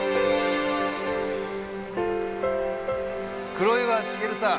黒岩繁さん。